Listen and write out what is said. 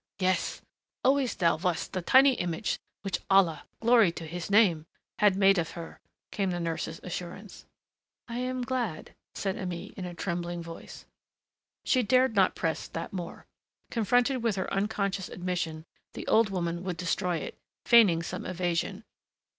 "Eh yes. Always thou wast the tiny image which Allah Glory to his Name! had made of her," came the nurse's assurance. "I am glad," said Aimée, in a trembling voice. She dared not press that more. Confronted with her unconscious admission the old woman would destroy it, feigning some evasion.